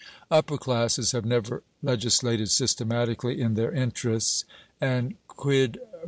Upper classes have never legislated systematically in their interests; and quid...